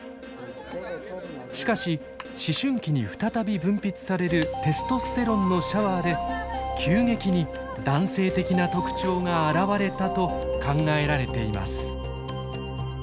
しかし思春期に再び分泌されるテストステロンのシャワーで急激に男性的な特徴が現れたと考えられています。